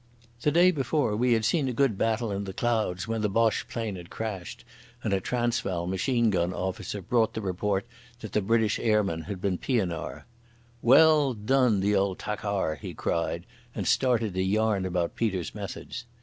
The day before we had seen a good battle in the clouds when the Boche plane had crashed, and a Transvaal machine gun officer brought the report that the British airman had been Pienaar. "Well done, the old takhaar!" he cried, and started to yarn about Peter's methods.